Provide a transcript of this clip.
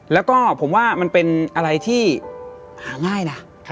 แล้วก็ผมว่ามันเป็นอะไรที่หาง่ายนะ